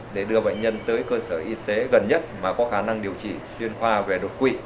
để đưa bệnh nhân tới cơ sở y tế gần nhất mà có khả năng điều trị chuyên khoa về đột quỵ